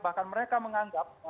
bahkan mereka menganggap